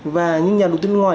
và những nhà đầu tư nước ngoài